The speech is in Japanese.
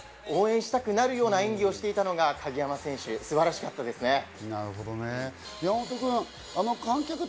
応援したくなるような演技をしていたのが鍵山選手、素晴らしかったですね。